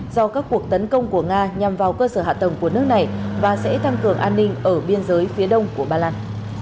do các cuộc tấn công của nga nhằm vào cơ sở hạ tầng của nước này và sẽ tăng cường an ninh ở biên giới phía đông của ba lan